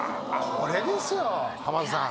これですよ浜田さん。